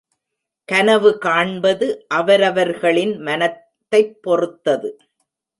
கனவு காண்பது அவரவர்களின் மனத்தைப் பொறுத்தது.